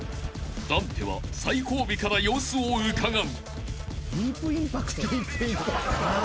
［ダンテは最後尾から様子をうかがう］なあ？